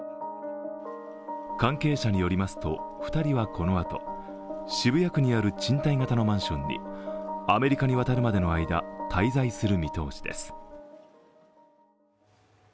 関係者によりますと２人はこのあと渋谷区にある賃貸型のマンションにアメリカに渡るまでの間、滞在する見通しです